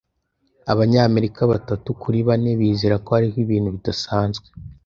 Abanyamerika batatu kuri bane bizera ko hariho ibintu bidasanzwe.